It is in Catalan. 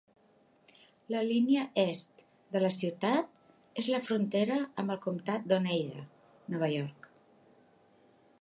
La línia est de la ciutat és la frontera amb el comtat d'Oneida, Nova York.